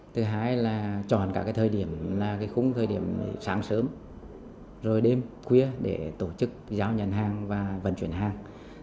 thứ hai là chọn các thời điểm là khung thời điểm sáng sớm rồi đêm khuya để tổ chức giao nhận hàng và vận chuyển hàng